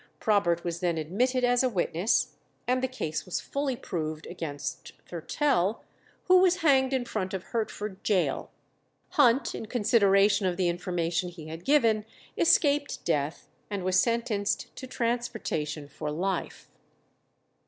Probert was then admitted as a witness, and the case was fully proved against Thurtell, who was hanged in front of Hertford Gaol. Hunt, in consideration of the information he had given, escaped death, and was sentenced to transportation for life.